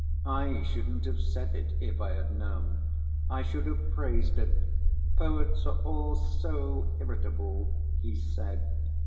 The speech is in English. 'I shouldn't have said it, if I had known. I should have praised it. Poets are all so irritable,' he said.